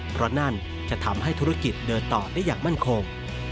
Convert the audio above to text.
เพราะนั่นจะทำให้ธุรกิจเดินต่อได้อย่างมั่นคง